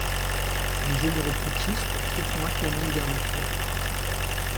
Les généraux putschistes se font acclamer une dernière fois.